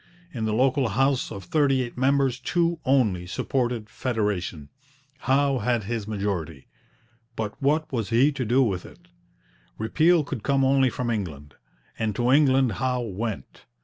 In the local house, of thirty eight members two only supported federation. Howe had his majority; but what was he to do with it? Repeal could come only from England, and to England Howe went.